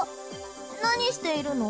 なにしているの？